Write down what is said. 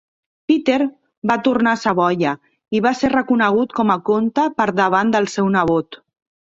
Peter va tornar a Savoia i va ser reconegut com a comte per davant del seu nebot.